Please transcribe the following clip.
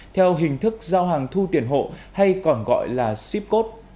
theo hình thức giao hàng thu tiền hộ hay còn gọi là ship code